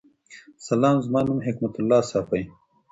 سلام زما نوم حکمت الله صافی